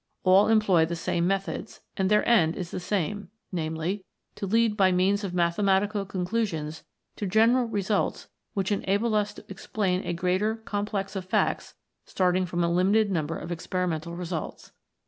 All employ the same methods, and their end is the same, viz. to lead by means of mathematical conclusions to general results which enable us to explain a greater complex of facts starting from a limited number of experi mental results.